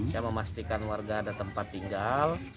ya memastikan warga ada tempat tinggal